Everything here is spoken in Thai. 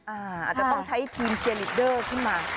อาจจะต้องใช้ทีมเชียร์ลีดเดอร์ขึ้นมา